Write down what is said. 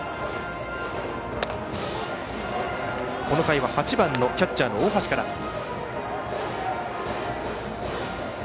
この回は８番のキャッチャー大橋から。